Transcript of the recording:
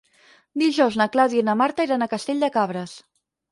Dijous na Clàudia i na Marta iran a Castell de Cabres.